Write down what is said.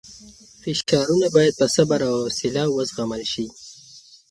فشارونه باید په صبر او حوصله وزغمل شي.